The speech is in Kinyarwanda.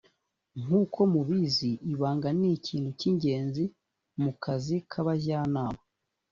nk uko mubizi ibanga ni ikintu cy ingenzi mu kazi k abajyanama